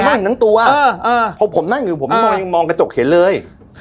มันไม่เห็นทั้งตัวเพราะผมนั่งอยู่มองกระจกเห็นเลย